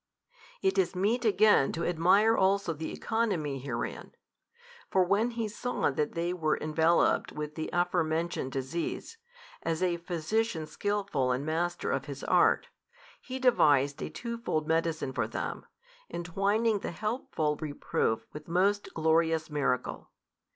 It is meet again to admire also the economy herein. For when He saw that they were enveloped with the afore mentioned disease, as a Physician skilful and master of his art, He devised a twofold medicine for them, entwining the helpful reproof with most glorious miracle.